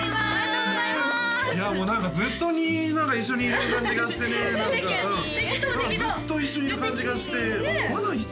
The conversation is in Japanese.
いやもう何かずっと一緒にいる感じがしてね何かうん適当適当ずっと一緒にいる感じがしてまだ１？